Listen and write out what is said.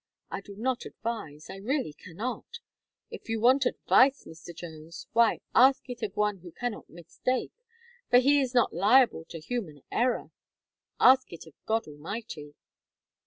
I do not advise. I really cannot. If you want advice, Mr. Jones, why, ask it of one who cannot mistake, for He is not liable to human error ask it of God Almighty."